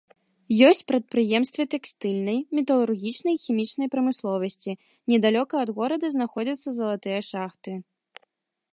Ёсць прадпрыемствы тэкстыльнай, металургічнай і хімічнай прамысловасці, недалёка ад горада знаходзяцца залатыя шахты.